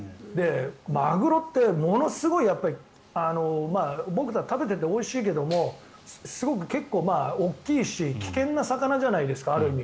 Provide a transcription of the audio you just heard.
マグロってものすごい食べていておいしいけどすごく大きいし危険な魚じゃないですかある意味。